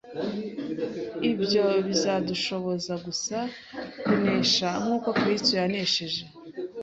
ibyo bizadushoboza gusa kunesha nk’uko Kristo yanesheje